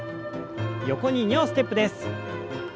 横に２歩ステップです。